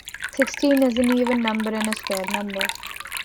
Sixteen is an even number and a square number.